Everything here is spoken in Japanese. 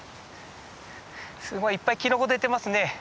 すごいいっぱいキノコ出てますね。